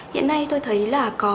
hiện nay tôi thấy là có